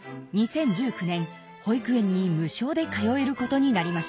２０１９年保育園に無償で通えることになりました。